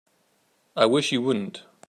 I wish you wouldn't.